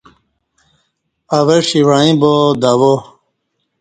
اوہ ݜی وعیں با دوا